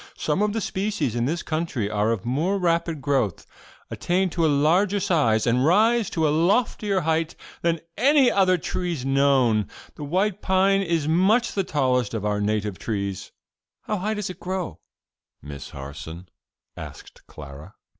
Some of the species in this country are of more rapid growth, attain to a larger size and rise to a loftier height than any other trees known. The white pine is much the tallest of our native trees.'" "How high does it grow, Miss Harson?" asked Clara.